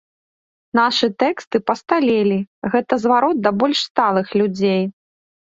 Нашы тэксты пасталелі, гэта зварот да больш сталых людзей.